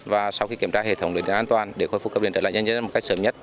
và sau khi kiểm tra hệ thống lưới điện an toàn để khôi phục cấp điện trở lại nhân dân một cách sớm nhất